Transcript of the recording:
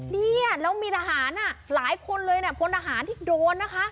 เนี่ยแล้วมีทหารหลายคนเลยนะพลทหารที่โดนนะคะ